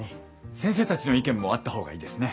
先生たちの意見もあった方がいいですね。